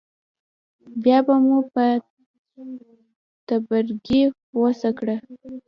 بیا به مو په تبرګي غوڅه کړه.